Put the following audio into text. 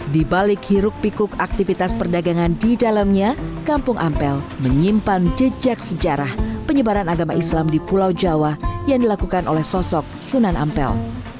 di balik hiruk pikuk aktivitas perdagangan di dalamnya kampung ampel menyimpan jejak sejarah penyebaran agama islam di pulau jawa yang dilakukan oleh sosok sunan ampel